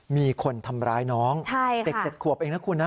มีคนทำร้ายน้องเด็ก๗ขวบเองนะคุณนะ